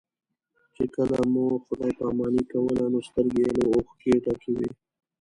چې کله مو خدای پاماني کوله نو سترګې یې له اوښکو ډکې وې.